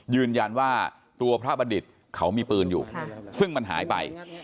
ยืนยันว่าตัวพระบัณฑิตเขามีปืนอยู่ซึ่งมันหายไป